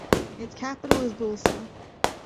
Its capital is Boulsa.